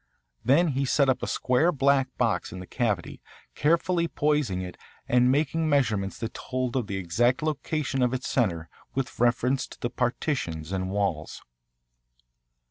Then he set up a square black box in the cavity, carefully poising it and making measurements that told of the exact location of its centre with reference to the partitions and walls.